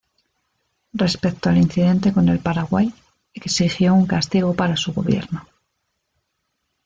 Respecto al incidente con el Paraguay, exigió un castigo para su gobierno.